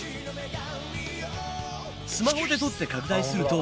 スマホで撮って拡大すると。